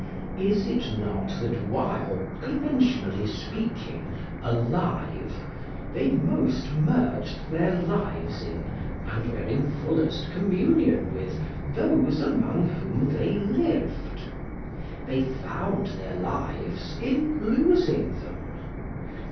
Is it not that while, conventionally speaking, alive, they most merged their lives in, and were in fullest communion with those among whom they lived? They found their lives in losing them.